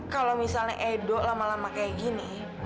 kalau misalnya edo lama lama kayak gini